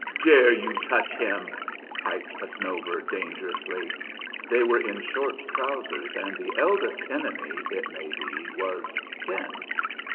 "Dare you to touch him!" piped a snow bird, dangerously. They were in short trousers, and the eldest enemy, it may be, was ten.